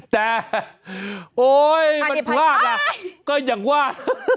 แต่โอ๊ยมันพลาดล่ะก็อย่างว่า